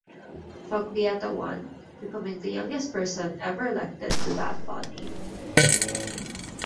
Foglietta won, becoming the youngest person ever elected to that body.